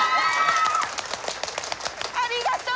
ありがとう！